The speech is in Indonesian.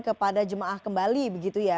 kepada jemaah kembali begitu ya